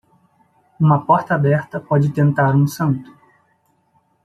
Uma porta aberta pode tentar um santo.